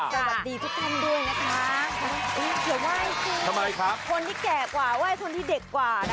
สวัสดีทุกคนด้วยนะคะเดี๋ยวไหว้คือคนที่แก่กว่าไหว้คนที่เด็กกว่านะ